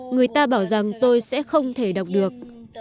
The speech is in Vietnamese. người ta bảo rằng tôi sẽ không thể đọc được